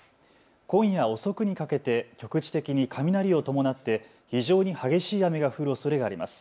今夜遅くにかけて局地的に雷を伴って非常に激しい雨が降るおそれがあります。